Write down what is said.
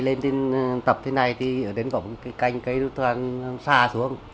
lên tập thế này thì đến góc cái canh cái toàn xa xuống